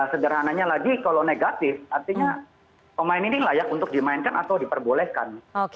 sederhananya lagi kalau negatif artinya pemain ini layak untuk dimainkan atau diperbolehkan